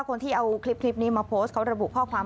คนที่เอาคลิปนี้มาโพสต์เขาระบุข้อความ